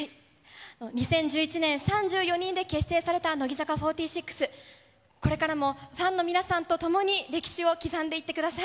２０１１年、３４人で結成された乃木坂４６、これからもファンの皆さんとともに歴史を刻んでいってください。